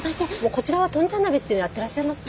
こちらはとんちゃん鍋っていうのやってらっしゃいますか？